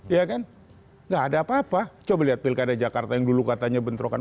ya kan nggak ada apa apa coba lihat pilkada jakarta yang dulu katanya bentrokan